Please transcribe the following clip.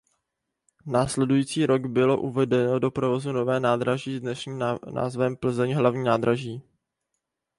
Následující rok bylo uvedeno do provozu nové nádraží s dnešním názvem Plzeň hlavní nádraží.